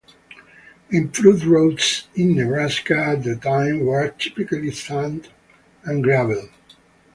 Improved roads in Nebraska at the time were typically sand and gravel.